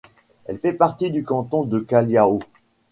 Elle fait partie du canton de Kalliao.